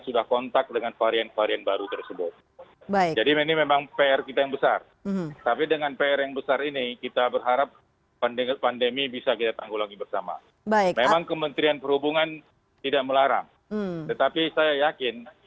untuk mencari penularan